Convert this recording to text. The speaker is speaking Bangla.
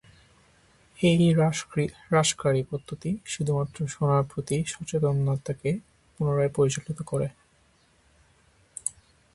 এই হ্রাসকারী পদ্ধতি শুধুমাত্র শোনার প্রতি সচেতনতাকে পুনরায় পরিচালিত করে।